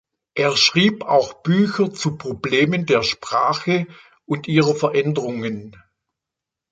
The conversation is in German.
Er schrieb auch Bücher zu Problemen der Sprache und ihrer Veränderungen.